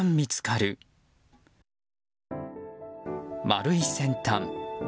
丸い先端。